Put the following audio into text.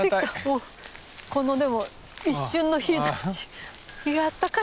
このでも一瞬の日ざし日があったかい。